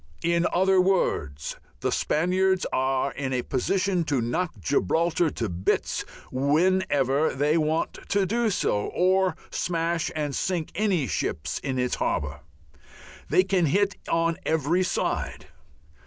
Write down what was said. In other words, the Spaniards are in a position to knock Gibraltar to bits whenever they want to do so, or to smash and sink any ships in its harbour. They can hit it on every side.